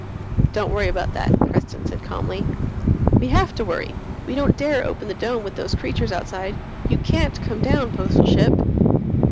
"Don't worry about that," Preston said calmly. "We have to worry! We don't dare open the Dome, with those creatures outside. You can't come down, Postal Ship."